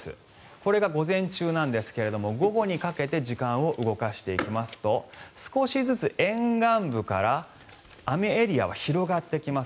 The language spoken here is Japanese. これが午前中なんですが午後にかけて時間を動かしていきますと少しずつ沿岸部から雨エリアは広がってきます。